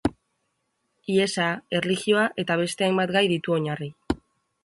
Hiesa, erlijioa eta beste hainbat gai ditu oinarri.